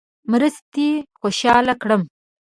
مرستې دې خوشاله کړم.